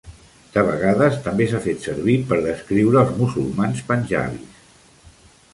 De vegades, també s'ha fet servir per descriure els musulmans panjabis.